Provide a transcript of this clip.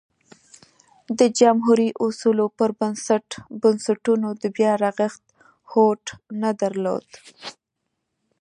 د جمهوري اصولو پر بنسټ بنسټونو د بیا رغښت هوډ نه درلود